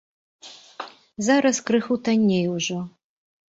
Зараз крыху танней ужо.